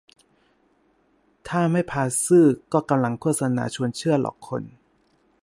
ถ้าไม่พาซื่อ ก็กำลังโฆษณาชวนเชื่อหลอกคน